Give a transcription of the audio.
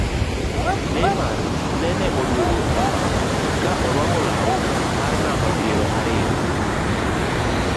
Neymar nene odwogo e pap ka orwako lau mar namba piero ariyo